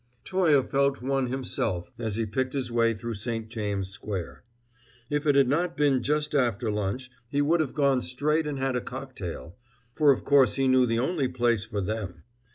Toye felt one himself as he picked his way through St. James' Square. If it had not been just after lunch, he would have gone straight and had a cocktail, for of course he knew the only place for them.